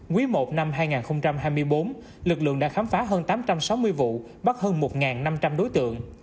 quý i năm hai nghìn hai mươi bốn lực lượng đã khám phá hơn tám trăm sáu mươi vụ bắt hơn một năm trăm linh đối tượng